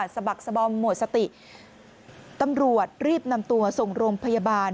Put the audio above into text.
สะบักสบอมหมดสติตำรวจรีบนำตัวส่งโรงพยาบาล